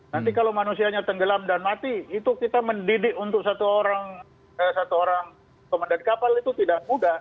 nanti kalau manusianya tenggelam dan mati itu kita mendidik untuk satu orang komandan kapal itu tidak mudah